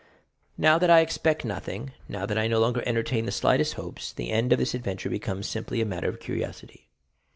"Now that I expect nothing, now that I no longer entertain the slightest hopes, the end of this adventure becomes simply a matter of curiosity."